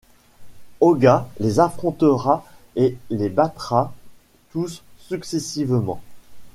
Oga les affrontera et les battra tous successivement.